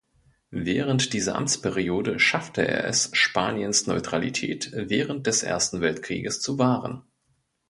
Während dieser Amtsperiode schaffte er es, Spaniens Neutralität während des Ersten Weltkrieges zu wahren.